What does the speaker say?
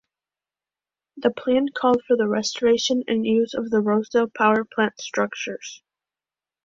The plan called for the restoration and use of the Rossdale Power Plant structures.